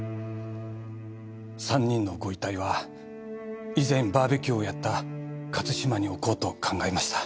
３人のご遺体は以前バーベキューをやった勝島に置こうと考えました。